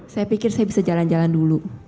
saya pikir saya bisa jalan jalan dulu